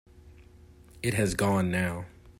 It has gone now.